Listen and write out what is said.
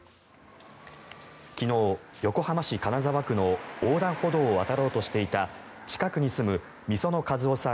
昨日、横浜市金沢区の横断歩道を渡ろうとしていた近くに住む御園和夫さん